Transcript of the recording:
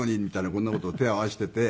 こんな事を手合わせてて。